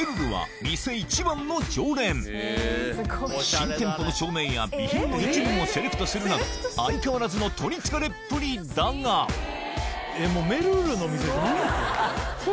新店舗の照明や備品の一部もセレクトするなど相変わらずの取り憑かれっぷりだがもう。